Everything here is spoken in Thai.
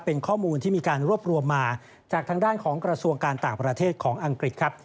เป็นข้อมูลที่มีการรวบรวมมาจากทางด้านของกระทรวงการต่างประเทศของอังกฤษครับ